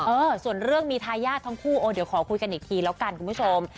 เออส่วนเรื่องมีทายาททั้งคู่โอ้เดี๋ยวขอคุยกันอีกทีแล้วกันคุณผู้ชม